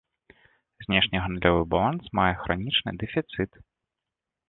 Знешнегандлёвы баланс мае хранічны дэфіцыт.